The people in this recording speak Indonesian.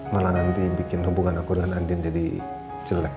malah nanti bikin hubungan aku dengan andin jadi jelek